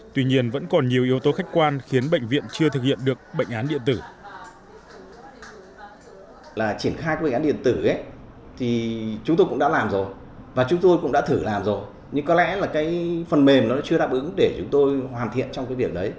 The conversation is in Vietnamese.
tuy nhiên vẫn còn nhiều yếu tố khách quan khiến bệnh viện chưa thực hiện được bệnh án điện tử